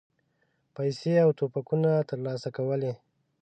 پیسې او توپکونه ترلاسه کولې.